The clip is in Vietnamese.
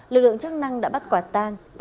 lực lượng chức năng đã bắt quả tang